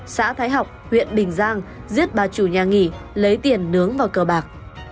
xã thái học huyện bình giang giết bà chủ nhà nghỉ lấy tiền nướng vào cờ bạc